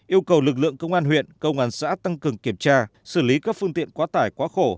yêu cầu lực lượng công an huyện công an xã tăng cường kiểm tra xử lý các phương tiện quá tải quá khổ